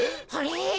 あれ？